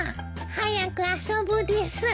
早く遊ぶです。